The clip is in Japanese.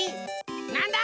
なんだ？